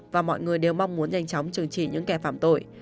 và mọi người đều mong muốn nhanh chóng trừng trị những kẻ phạm tội